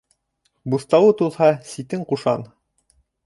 Буҫтауы туҙһа, ситен ҡушан.